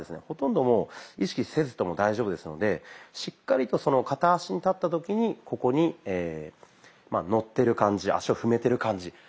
ほとんどもう意識せずとも大丈夫ですのでしっかりと片足に立った時にここにのってる感じ足を踏めてる感じ。